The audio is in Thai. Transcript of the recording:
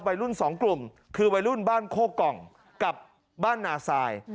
วัยรุ่นสองกลุ่มคือวัยรุ่นบ้านโคกองกับบ้านนาซาย